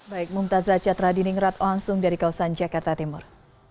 baik mumtazah chattradini ngerat langsung dari kawasan jakarta timur